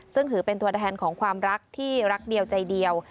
ซึ่งถือเป็นตัวแทนของความรักที่รักเดียวใจเดียว